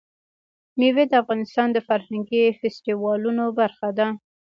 مېوې د افغانستان د فرهنګي فستیوالونو برخه ده.